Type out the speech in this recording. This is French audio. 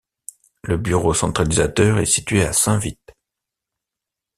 Le bureau centralisateur est situé à Saint-Vit.